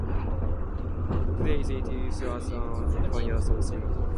Today, it is used as an epithet for Singapore.